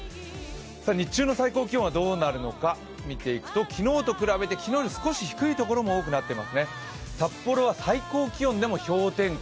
日中の最高気温はどうなるのか見ていくと昨日と比べて昨日より少し低いところも多くなってますね。